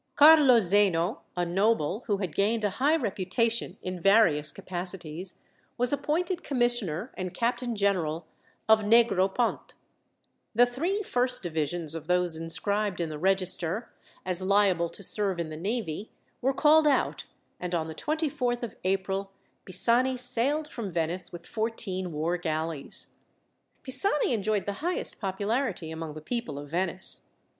Carlo Zeno, a noble, who had gained a high reputation in various capacities, was appointed commissioner and captain general of Negropont. The three first divisions of those inscribed in the register, as liable to serve in the navy, were called out, and on the 24th of April Pisani sailed from Venice with fourteen war galleys. Pisani enjoyed the highest popularity among the people of Venice.